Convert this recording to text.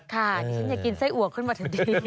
ค่ะอันนี้ฉันอยากกินไส้อวกขึ้นมาเถอะดี